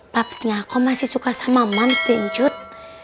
papsnya aku masih suka sama mams deh pencut